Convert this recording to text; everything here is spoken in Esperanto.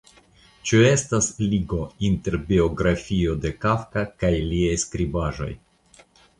Ĉu estas ligo inter la biografio de Kafka kaj liaj skribaĵoj?